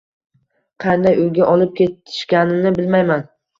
Qanday uyga olib ketishganini bilmayman